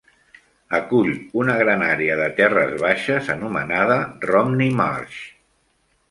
Acull una gran àrea de terres baixes anomenada Romney Marsh.